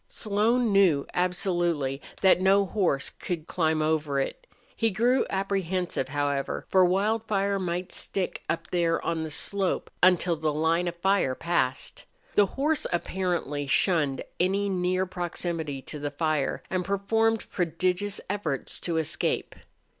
Slone knew absolutely that no horse could climb over it. He grew apprehensive, however, for Wildfire might stick up there on the slope until the line of fire passed. The horse apparently shunned any near proximity to the fire, and performed prodigious efforts to escape.